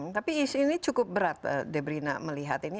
tapi isu ini cukup berat debrina melihat ini